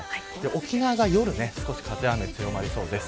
沖縄が夜、少し風と雨が強まりそうです。